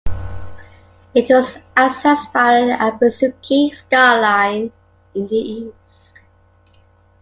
It was accessed by the Ibusuki Skyline in the east.